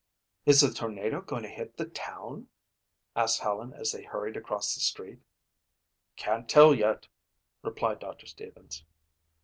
"Is the tornado going to hit the town?" asked Helen as they hurried across the street. "Can't tell yet," replied Doctor Stevens.